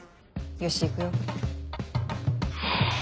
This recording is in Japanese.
よし行くよ。